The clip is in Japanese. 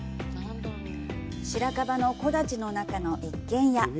白樺の木立の中の一軒家。